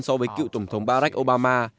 so với cựu tổng thống barack obama